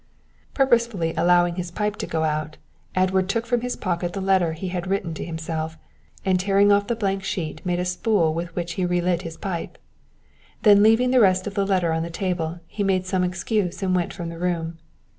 Purposely allowing his pipe to go out, Edward took from his pocket the letter he had written to himself, and tearing off the blank sheet made a spool with which he relit his pipe. Then leaving the rest of the letter on the table, he made some excuse and went from the room.